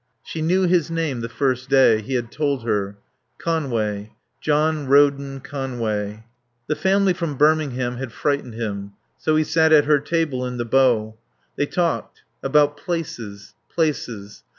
She knew his name the first day. He had told her. Conway. John Roden Conway. The family from Birmingham had frightened him. So he sat at her table in the bow. They talked. About places places.